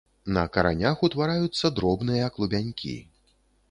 На каранях ўтвараюцца дробныя клубянькі.